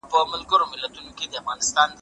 موږ باید خپلو ماشومانو ته سمه روزنه ورکړو.